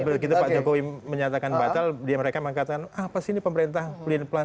begitu pak jokowi menyatakan batal mereka mengatakan ah pasti ini pemerintah pelan pelan